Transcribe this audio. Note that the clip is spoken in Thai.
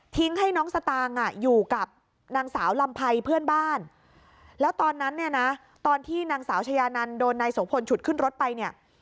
ให้น้องสตางค์อยู่กับนางสาวลำไพรเพื่อนบ้านแล้วตอนนั้นเนี่ยนะตอนที่นางสาวชายานันโดนนายโสพลฉุดขึ้นรถไปเนี่ย